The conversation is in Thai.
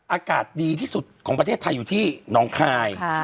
อากาศดีที่สุดของประเทศไทยอยู่ที่น้องคาย